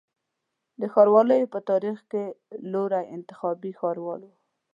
د ښاروالیو په تاریخ کي لوړی انتخابي ښاروال و